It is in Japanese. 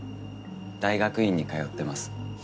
大学院に通ってます。